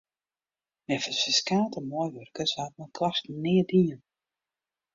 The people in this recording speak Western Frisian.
Neffens ferskate meiwurkers waard mei klachten neat dien.